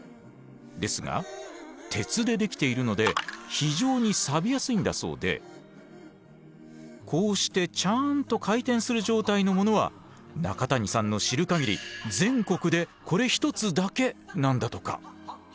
ですが鉄でできているので非常にさびやすいんだそうでこうしてちゃんと回転する状態のものは中谷さんの知る限り全国でこれ１つだけなんだとか。